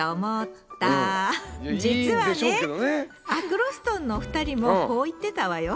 実はねアクロストンのお二人もこう言ってたわよ。